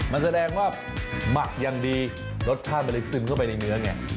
มันแสดงว่าหมักอย่างดีรสชาติมันเลยซึมเข้าไปในเนื้อไง